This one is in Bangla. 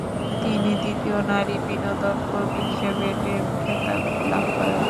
তিনি দ্বিতীয় নারী বিনোদনকর্মী হিসেবে ডেম খেতাব লাভ করেন।